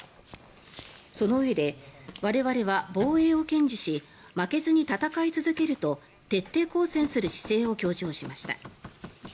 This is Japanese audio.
そのうえで我々は防衛を堅持し負けずに戦い続けると徹底抗戦する姿勢を強調しました。